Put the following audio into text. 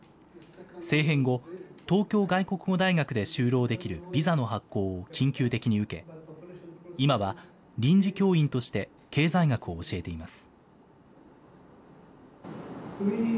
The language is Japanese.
政変後、東京外国語大学で就労できるビザの発行を緊急的に受け、今は臨時教員として経済学を教えています。